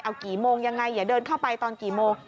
เอากี่โมงยังไงอย่าเดินเข้าไปตอนกี่โมง